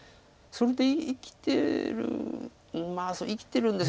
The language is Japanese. それで生きてる。